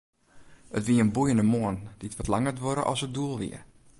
It wie in boeiende moarn, dy't wat langer duorre as it doel wie.